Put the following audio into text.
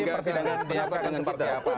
per sidangnya seperti apa